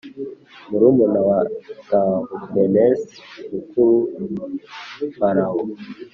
murumuna wa Tahupenesi muka Farawo